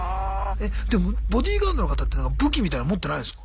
えでもボディーガードの方っていうのは武器みたいの持ってないんすか？